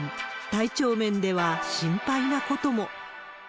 体調面では心配なことも。